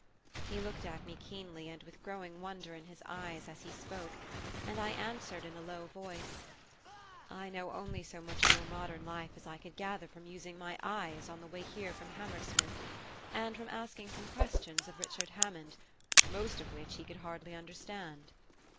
He looked at me keenly and with growing wonder in his eyes as he spoke; and I answered in a low voice: "I know only so much of your modern life as I could gather from using my eyes on the way here from Hammersmith, and from asking some questions of Richard Hammond, most of which he could hardly understand."